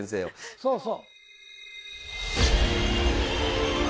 そうそう！